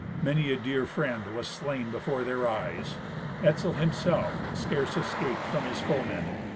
Many a dear friend was slain before their eyes. Etzel himself scarce escaped from his foemen.